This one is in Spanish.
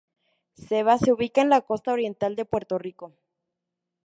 Seva se ubica en la costa oriental de Puerto Rico.